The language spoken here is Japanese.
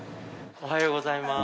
おはようございます。